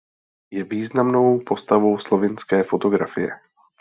Je významnou postavou slovinské fotografie.